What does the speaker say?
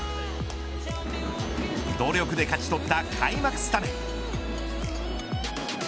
努力で勝ち取った開幕スタメン。